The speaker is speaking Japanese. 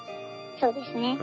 そうですね。